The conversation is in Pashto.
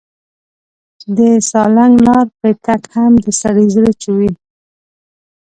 د سالنګ لار پرې تګ هم د سړي زړه چوي.